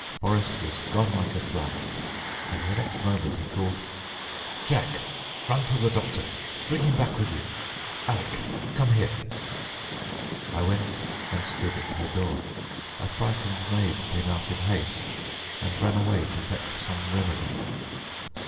Boris was gone like a flash, and the next moment he called, "Jack, run for the doctor; bring him back with you. Alec, come here." I went and stood at her door. A frightened maid came out in haste and ran away to fetch some remedy.